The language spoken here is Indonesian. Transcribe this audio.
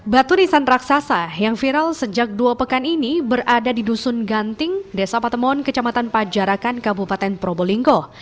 batu risan raksasa yang viral sejak dua pekan ini berada di dusun ganting desa patemon kecamatan pajarakan kabupaten probolinggo